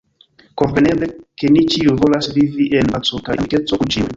Kompreneble, ke ni ĉiuj volas vivi en paco kaj amikeco kun ĉiuj.